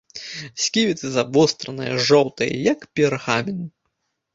Сківіцы завостраныя, жоўтыя, як пергамін.